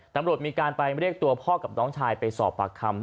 ตำรวจมีการไปเรียกตัวพ่อกับน้องชายไปสอบปากคำ